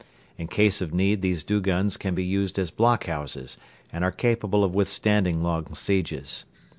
In case of need these duguns can be used as blockhouses and are capable of withstanding long sieges.